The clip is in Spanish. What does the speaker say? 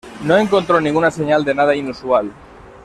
No encontró ninguna señal de nada inusual.